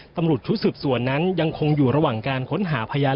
ตำรวจชุดสืบสวนนั้นยังคงอยู่ระหว่างการค้นหาพยาน